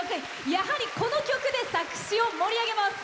やはり、この曲で佐久市を盛り上げます。